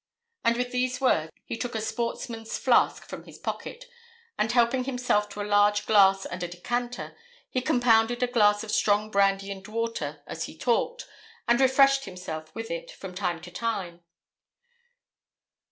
And with these words, he took a sportsman's flask from his pocket; and helping himself to a large glass and a decanter, he compounded a glass of strong brandy and water, as he talked, and refreshed himself with it from time to time.